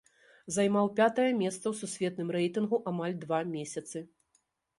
Займаў пятае месца ў сусветным рэйтынгу амаль два месяцы.